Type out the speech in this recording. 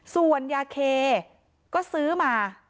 ส่วนยาเคก็ซื้อมา